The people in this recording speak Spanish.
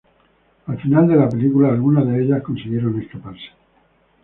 Al final de la película, algunas de ellas consiguieron escaparse.